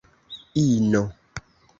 ino